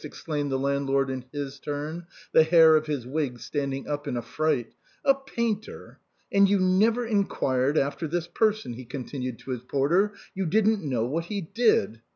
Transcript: " exclaimed the landlord in his turn, the hair of his wig standing up in affright ;" a painter !! And you never inquired after this person," he continued to his porter ;" you didn't know what he did